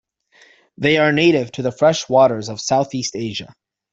They are native to the fresh waters of Southeast Asia.